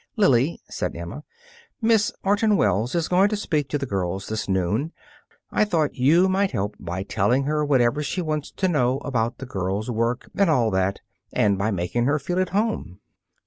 "Lily," said Emma, "Miss Orton Wells is going to speak to the girls this noon. I thought you might help by telling her whatever she wants to know about the girls' work and all that, and by making her feel at home."